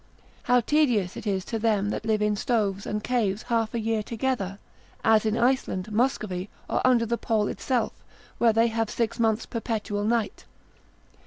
how tedious is it to them that live in stoves and caves half a year together? as in Iceland, Muscovy, or under the pole itself, where they have six months' perpetual night.